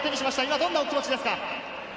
どんなお気持ちですか？